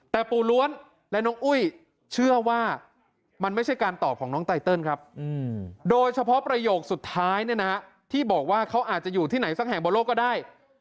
แต่ปู่ล้วนและน้องอุ้ยเชื่อว่ามันไม่ใช่การตอบของน้องไตเติลครับโดยเฉพาะประโยคสุดท้ายเนี่ยนะที่บอกว่าเขาอาจจะอยู่ที่ไหนสักแห่งบนโลกก็ได้